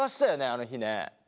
あの日ね？